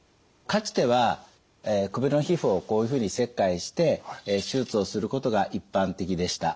かつては首の皮膚をこういうふうに切開して手術をすることが一般的でした。